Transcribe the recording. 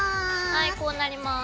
はいこうなります。